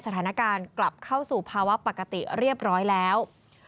สถานการณ์กลับเข้าสู่ภาวะปกติเรียบร้อยแล้ว